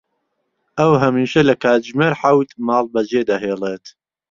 ئەو هەمیشە لە کاتژمێر حەوت ماڵ بەجێ دەهێڵێت.